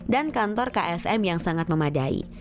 dan kantor ksm yang sangat memadai